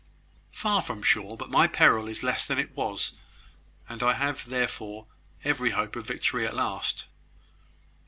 "Far from sure: but my peril is less than it was; and I have, therefore, every hope of victory at last.